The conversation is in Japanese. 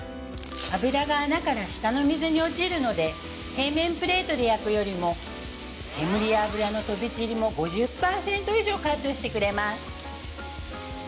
脂が穴から下の水に落ちるので平面プレートで焼くよりも煙や油の飛び散りも５０％以上カットしてくれます